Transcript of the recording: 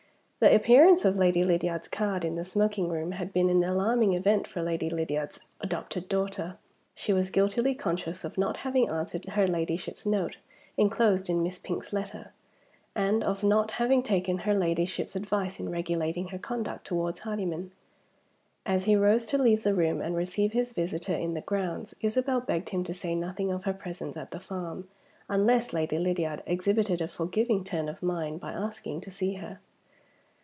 The appearance of Lady Lydiard's card in the smoking room had been an alarming event for Lady Lydiard's adopted daughter. She was guiltily conscious of not having answered her Ladyship's note, inclosed in Miss Pink's letter, and of not having taken her Ladyship's advice in regulating her conduct towards Hardyman. As he rose to leave the room and receive his visitor in the grounds, Isabel begged him to say nothing of her presence at the farm, unless Lady Lydiard exhibited a forgiving turn of mind by asking to see her.